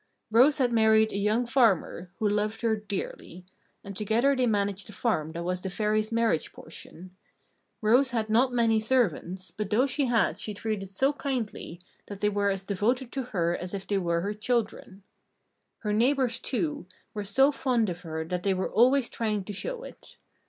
Rose had married a young farmer, who loved her dearly; and together they managed the farm that was the Fairy's marriage portion. Rose had not many servants, but those she had she treated so kindly that they were as devoted to her as if they were her children. Her neighbours, too, were so fond of her that they were always trying to show it.